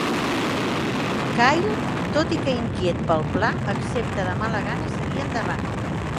Kyle, tot i que inquiet pel pla, accepta de mala gana seguir endavant.